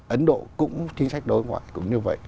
ấn độ cũng chính sách đối ngoại cũng như vậy